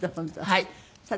はい。